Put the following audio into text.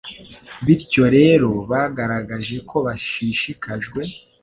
Bityo rero bagaragaje ko bashishikajwe